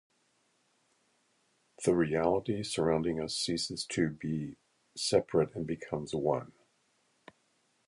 The reality surrounding us ceases to be separate and becomes one.